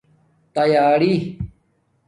تیاری